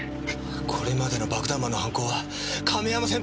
これまでの爆弾魔の犯行は亀山先輩が狙いで！